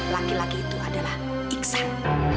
laki laki itu adalah iksan